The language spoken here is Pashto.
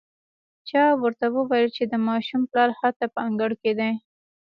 چا ورته وويل چې د ماشوم پلار هلته په انګړ کې دی.